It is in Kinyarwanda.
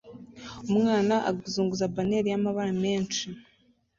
Umwana uzunguza baneri y'amabara menshi